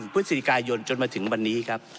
พฤศจิกายนจนมาถึงวันนี้ครับ